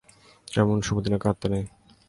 এমন শুভ দিনে কাঁদতে নেই।